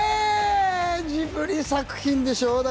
ジブリ作品でしょう？